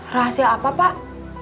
rahasia apa pak